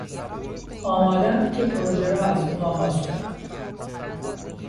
آمادهام که پروژه را از نو آغاز کنم.